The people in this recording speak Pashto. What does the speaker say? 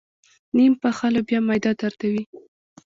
نيم پخه لوبیا معده دردوي.